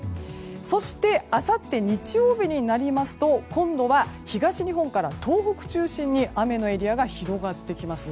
そして、あさって日曜日になりますと今度は東日本から東北中心に雨のエリアが広がってきます。